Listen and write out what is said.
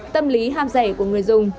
tâm lý ham rẻ của người dùng